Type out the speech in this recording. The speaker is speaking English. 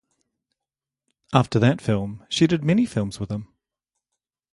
After that film, she did many films with him.